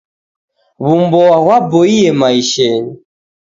W'umboa ghwaboiye maishenyi.